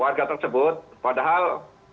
warga tersebut padahal